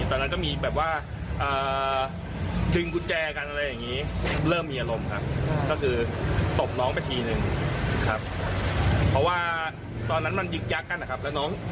ตอนนั้นก็มีแบบว่าถึงกุญแจกันอะไรอย่างนี้